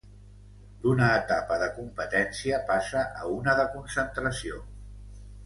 D'una etapa de competència passa a una de concentració.